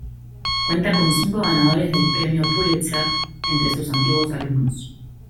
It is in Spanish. Cuenta con cinco ganadores del Premio Pulitzer entre sus antiguos alumnos.